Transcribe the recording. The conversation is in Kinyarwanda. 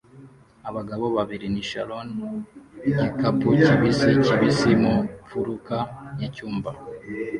Abagabo babiri ni Sharon igikapu kibisi kibisi mu mfuruka yicyumba